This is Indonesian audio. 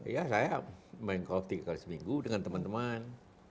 ya saya mengkop tiga kali seminggu dengan teman teman